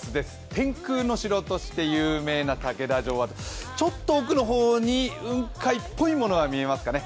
天空の城として有名な竹田城はちょっと奥の方に雲海っぽいものが見えますかね。